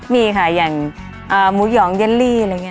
มีค่ะอย่างหมูหยองเยลลี่อะไรแนี่ย